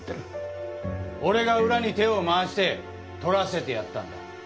俺が裏に手を回して取らせてやったんだ。